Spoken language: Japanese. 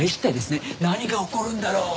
何が起こるんだろう。